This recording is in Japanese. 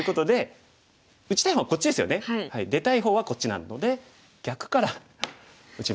出たい方はこっちなので逆から打ちます。